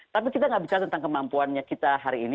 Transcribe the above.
tapi kita nggak bicara tentang kemampuannya kita hari ini